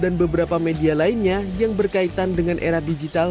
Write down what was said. dan beberapa media lainnya yang berkaitan dengan era digital